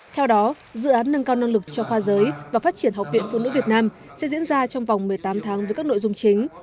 theo đó dự án nâng cao năng lực cho khoa giới và phát triển học viện phụ nữ việt nam sẽ diễn ra trong vòng một mươi tám tháng với các nội dung chính